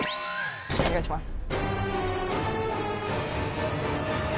お願いします